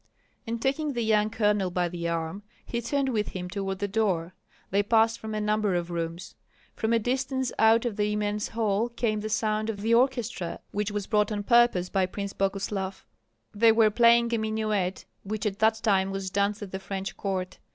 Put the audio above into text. And taking the young colonel by the arm, he turned with him toward the door. They passed through a number of rooms. From a distance out of the immense hall came the sound of the orchestra, which was directed by a Frenchman brought on purpose by Prince Boguslav. They were playing a minuet which at that time was danced at the French court.